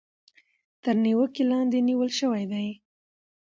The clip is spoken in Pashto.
تر نېوکې لاندې نيول شوي دي.